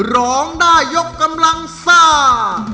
ร้องได้ยกกำลังซ่า